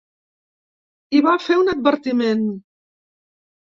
I va fer un advertiment.